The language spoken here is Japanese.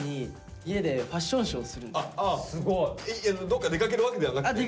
どっか出かけるわけではなくて？